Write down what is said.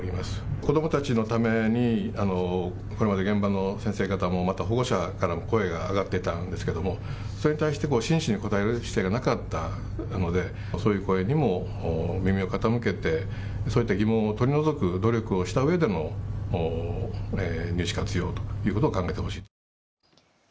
子どもたちのためにこれまで現場の先生方も保護者からも声が上がっていたんですがそれに対して真摯にこたえる姿勢がなかったのでそういう声にも耳を傾けてそういった疑問を取り除く努力をしたうえでの入試活用ということを考えてほしい。